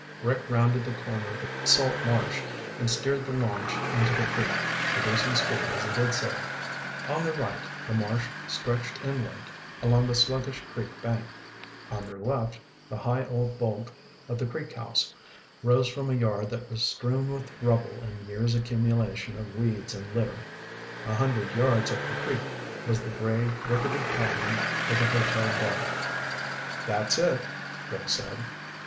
Rick rounded the corner of the salt marsh and steered the launch into the creek, reducing speed as he did so. On their right, the marsh stretched inland along the sluggish creek bank. On their left, the high old bulk of the Creek House rose from a yard that was strewn with rubble and years' accumulation of weeds and litter. A hundred yards up the creek was the gray, rickety piling of the hotel dock. "That's it," Rick said.